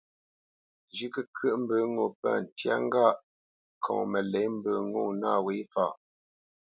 Zhʉ̌ʼ kəkyə́ʼ mbə ŋo pə̂ ntyá ŋgâʼ ŋkɔŋ məlě mbə nâ wě faʼ.